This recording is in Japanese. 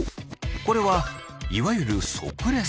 これはいわゆる即レス。